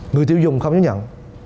người tiêu dùng không nhớ nhận